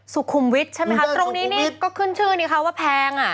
สุขุมวิทย์ใช่ไหมคะตรงนี้นี่ก็ขึ้นชื่อนี่ค่ะว่าแพงอ่ะ